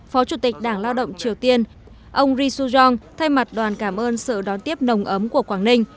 phó chủ tịch đảng lao động triều tiên ông ri sung thay mặt đoàn cảm ơn sự đón tiếp nồng ấm của quảng ninh